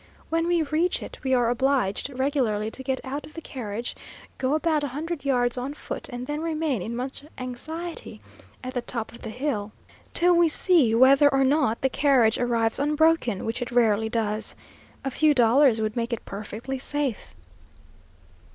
When we reach it, we are obliged regularly to get out of the carriage, go about a hundred yards on foot, and then remain in much anxiety at the top of the hill, till we see whether or not the carriage arrives unbroken, which it rarely does. A few dollars would make it perfectly safe.